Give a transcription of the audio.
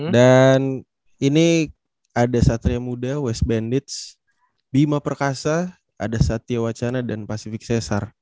dan ini ada satria muda west bandits bima perkasa ada satya wacana dan pacific cesar